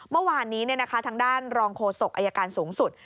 เมื่อวานนี้ทางด้านรองโฆษกอายการสูงสุด